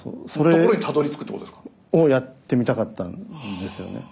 ところにたどりつくってことですか？をやってみたかったんですよね。